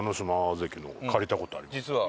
実は。